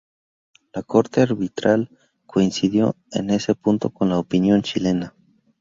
La corte arbitral coincidió en ese punto con la opinión chilena.